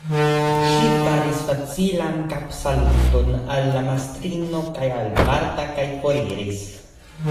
Ŝi faris facilan kapsaluton al la mastrino kaj al Marta kaj foriris.